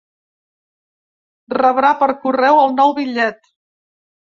Rebrà per correu el nou bitllet.